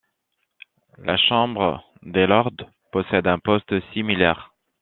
La Chambre des lords possède un poste similaire.